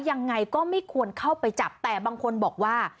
ยังไงก็ไม่ควรเข้าไปจับแต่บางคนบอกว่า